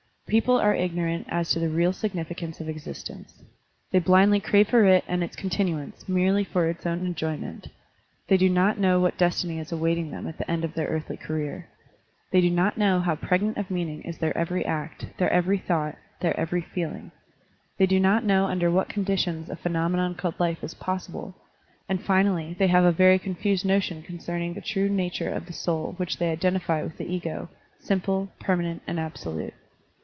People are ignorant as to the real significance of existence; they blindly crave for it and its continuance merely for its own enjoyment; they do not know what destiny is awaiting them at the end of their earthly career; they do not know how pregnant of meaning is their every act, their every thought, their every feeling; they do not know tinder what conditions a phe nomenon called life is possible, and finally they have a very confused notion concerning the true nature of the soul which they identify with the ego, simple, permanent, and absolute.